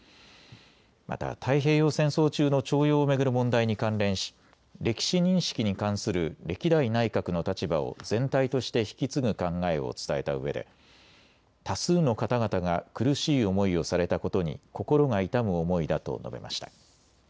また太平洋戦争中の徴用を巡る問題に関連し歴史認識に関する歴代内閣の立場を全体として引き継ぐ考えを伝えたうえで多数の方々が苦しい思いをされたことに心が痛む思いだと述べました。